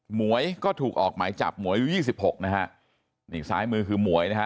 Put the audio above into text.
หมวยก็ถูกออกหมายจับหมวย๒๖นะฮะนี่ซ้ายมือคือหมวยนะฮะ